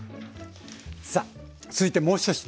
さあ続いてもう１品。